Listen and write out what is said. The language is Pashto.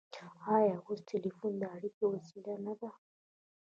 آیا اوس ټیلیفون د اړیکې وسیله نه ده؟